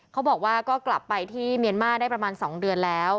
เขาบอกว่าก็กลับไปที่เมียนมาร์ได้ประมาณ๒เดือนแล้ว